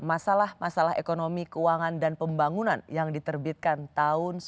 masalah masalah ekonomi keuangan dan pembangunan yang diterbitkan tahun sembilan puluh delapan